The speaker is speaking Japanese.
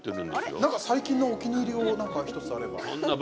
なんか最近のお気に入りをなんか１つあれば。